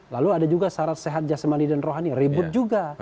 lalu ada juga syarat sehat jasmani dan rohani ribut juga